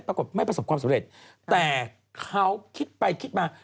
ปรากฏไม่ประสบความสำเร็จแต่เขาคิดไปคิดมา